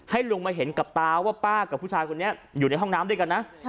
ลุงมาเห็นกับตาว่าป้ากับผู้ชายคนนี้อยู่ในห้องน้ำด้วยกันนะ